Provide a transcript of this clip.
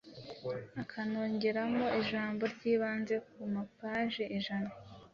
akanongeramo ijambo ry’ibanze ku mapaji ijana,